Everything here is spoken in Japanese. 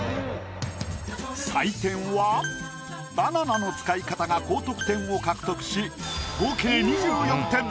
採点はバナナの使い方が高得点を獲得し合計２４点。